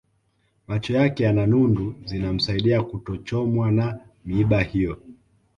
Macho yake yana nundu zinamsaidia kutochomwa na miiba hiyo